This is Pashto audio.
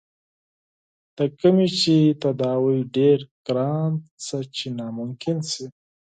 د کومې چې تداوے ډېر ګران څۀ چې ناممکن شي